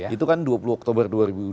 itu kan dua puluh oktober dua ribu dua puluh